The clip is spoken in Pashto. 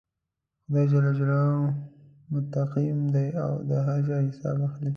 خدای جل جلاله منتقم دی او د هر چا حساب اخلي.